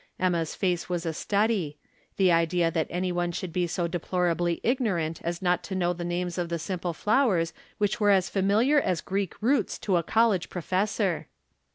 Emma's face was a study. The idea that any one should be so deplorably ignorant as not to know the names of the simple flowers which were as familiar as Greek roots to a college professor.